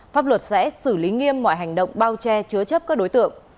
pháp luật sẽ xử lý nghiêm mọi hành động bao che chứa chấp các đối tượng